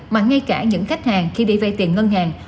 mà ngay cả những khách hàng khi đi vay tiền ngân hàng